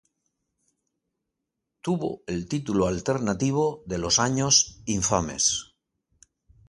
Tuvo el título alternativo de Los años infames.